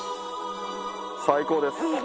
最高です。